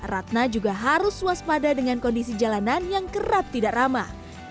ratna juga harus waspada dengan kondisi jalanan yang kerap tidak ramah